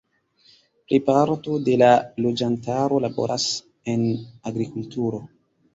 Plejparto de la loĝantaro laboras en agrikulturo.